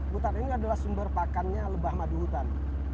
hutan ini adalah sumber pakannya lebah madu hutan